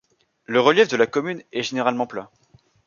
Le relief de la commune est généralement plat.